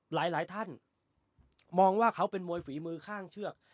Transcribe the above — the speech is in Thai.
หลายท่านมองว่าเขาเป็นมวยฝีมือข้างเชือก